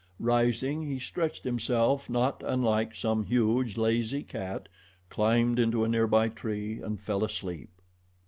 Rising, he stretched himself not unlike some huge, lazy cat, climbed into a near by tree and fell asleep.